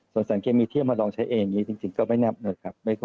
สารเคมีที่ให้มาลองใช้เองนี่จริงก็ไม่น่าประโยชน์เหอะครับ